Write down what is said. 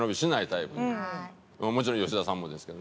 もちろん吉田さんもですけど。